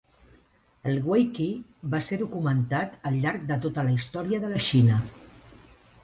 El WeiQi va ser documentat al llarg de tota la història de la Xina.